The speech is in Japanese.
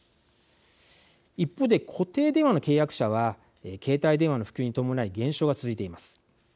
一方で、固定電話の契約者は携帯電話の普及に伴い減少が続いています。